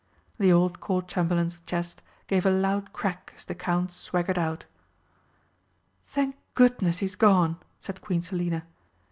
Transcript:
The old Court Chamberlain's chest gave a loud crack as the Count swaggered out. "Thank goodness he's gone!" said Queen Selina.